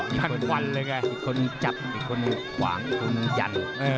อีกคนจับอีกคนขวางอีกคนหยั่น